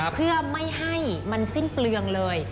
เพื่อไม่ให้มันสิ้นเปลืองเลย